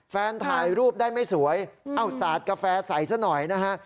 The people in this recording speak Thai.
ถ่ายรูปได้ไม่สวยเอ้าสาดกาแฟใส่ซะหน่อยนะฮะ